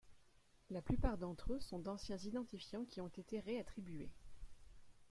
La plupart d'entre eux sont d'anciens identifiants qui ont été réattribués.